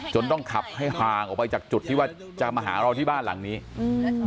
ต้องขับให้ห่างออกไปจากจุดที่ว่าจะมาหาเราที่บ้านหลังนี้อืม